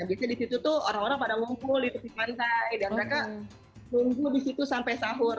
dan biasanya di situ tuh orang orang pada ngumpul di tepi pantai dan mereka tunggu di situ sampai sahur